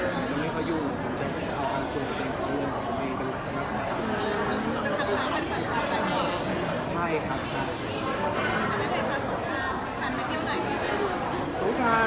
เดินจะไปพูดหน่อยมันเป็นอันทิวดิ์ที่เป็นน้ำได้เป็นขุมงานที่ได้คุ้มทนไว้